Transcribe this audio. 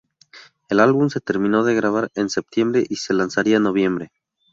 El álbum se terminó de grabar en septiembre y se lanzaría en noviembre.